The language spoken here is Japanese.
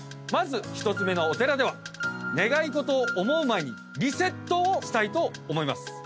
まず１つ目のお寺では願い事を思う前にリセットをしたいと思います。